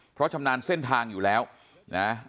เพราะชำนาญเส้นทางอยู่แล้วนะ